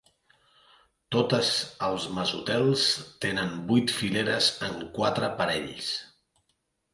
Totes els mesotels tenen vuit fileres en quatre parells.